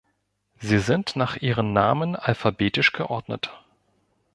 Sie sind nach ihren Namen alphabetisch geordnet.